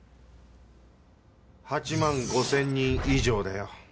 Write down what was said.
８万５０００人以上だよ。